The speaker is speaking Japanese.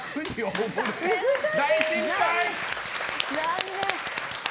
大失敗！